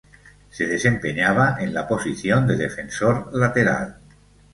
Se desempeñaba en la posición de defensor lateral.